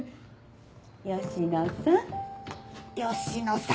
吉野さん吉野さん！